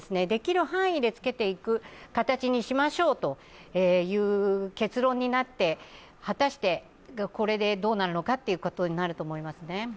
できる範囲で着けていくという形にしましょうという結論になって、果たしてこれでどうなるのかってことになると思いますね。